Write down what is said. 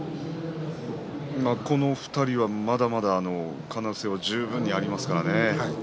この２人は、まだまだ可能性が十分にありますからね。